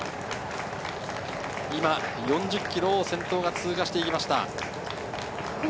今、４０ｋｍを先頭が通過していきました。